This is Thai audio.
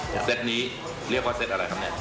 นี่เซ็ตนี้เรียกว่าเซ็ตอะไรครับแม่ง